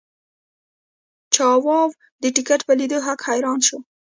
چاواوا د ټکټ په لیدو هک حیران شو.